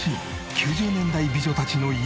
９０年代美女たちの今。